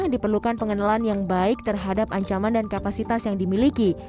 diperlukan pengenalan yang baik terhadap ancaman dan kapasitas yang dimiliki